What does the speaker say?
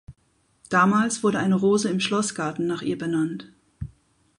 Damals wurde eine Rose im Schlossgarten nach ihr benannt.